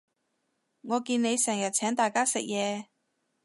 我見你成日請大家食嘢